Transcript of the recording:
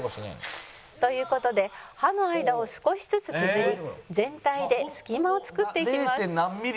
「という事で歯の間を少しずつ削り全体で隙間を作っていきます」